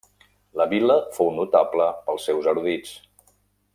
La vila fou notable pels seus erudits.